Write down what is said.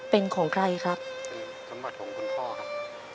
เป็นของใครครับเป็นสมบัติของคุณพ่อครับ